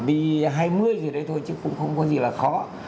vì hai mươi gì đấy thôi chứ cũng không có gì là khó